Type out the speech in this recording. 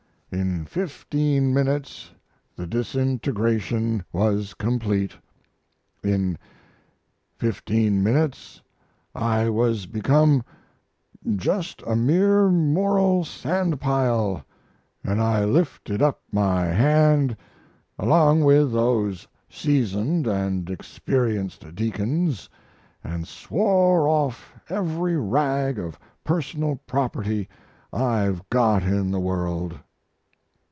In fifteen minutes the disintegration was complete. In fifteen minutes I was become just a mere moral sand pile, and I lifted up my hand, along with those seasoned and experienced deacons, and swore off every rag of personal property I've got in the world.